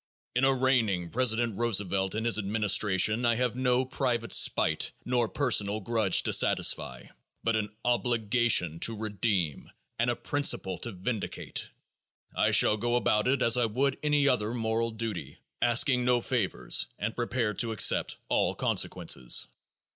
In arraigning President Roosevelt and his administration I have no private spite nor personal grudge to satisfy, but an obligation to redeem and a principle to vindicate. I shall go about it as I would any other moral duty, asking no favors and prepared to accept all consequences.